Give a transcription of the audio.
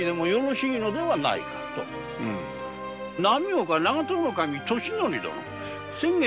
波岡長門守守利殿先月